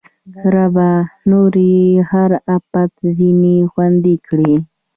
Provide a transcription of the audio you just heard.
ربه! نور یې هر اپت ځنې خوندي کړې